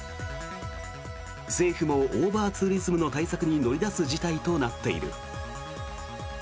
政府もオーバーツーリズムの対策に乗り出す事態となっている。